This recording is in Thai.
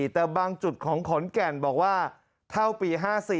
แต่บางจุดของขอนแก่นบอกว่าเท่าปี๕๔